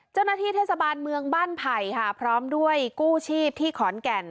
เจ้าหน้าที่เทศบาลเมืองบ้านไผ่ค่ะพร้อมด้วยกู้ชีพที่ขอนแก่น